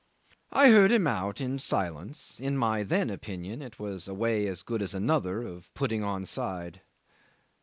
I heard him out in silence; in my then opinion it was a way as good as another of putting on side.